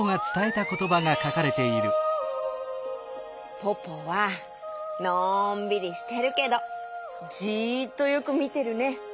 ポポはのんびりしてるけどじっとよくみてるね！